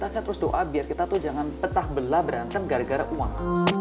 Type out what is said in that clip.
saya terus doa biar kita tuh jangan pecah belah berantem gara gara uang